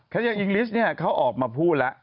แคทยากอิงกฤษเขาออกมาพูดแล้ว